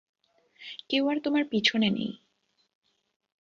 কেউ আর তোমার পিছনে নেই।